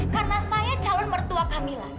karena saya calon mertua kamila